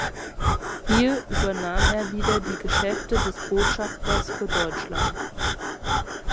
Hier übernahm er wieder die Geschäfte des Botschafters für Deutschland.